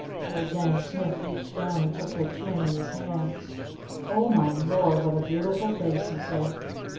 Old Man Smith reached down and took her chin in his hands. "Oh my Lord what a beautiful face!" he said.